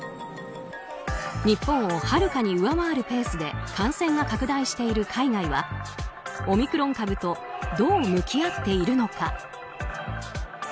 日本をはるかに上回るペースで感染が拡大している海外はオミクロン株とどう向き合っているのか。